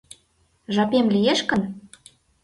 Жапем лиеш гын?